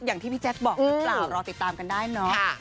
อย่างที่พี่แจ๊คบอกหรือเปล่ารอติดตามกันได้เนาะ